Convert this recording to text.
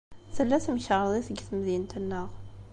Tella temkarḍit deg temdint-nneɣ.